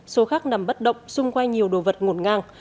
số khác nằm bất động xung quanh nhiều đồ vật ngột ngang